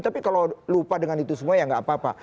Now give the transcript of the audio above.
tapi kalau lupa dengan itu semua ya nggak apa apa